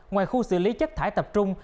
ngoài khu xử lý chất thải tập trung